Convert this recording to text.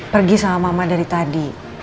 pergi sama mama dari tadi